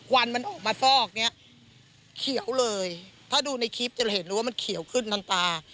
วันมันออกมาฟอกเนี้ยเขียวเลยถ้าดูในคลิปจะเห็นเลยว่ามันเขียวขึ้นน้ำตา